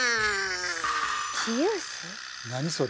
何それ。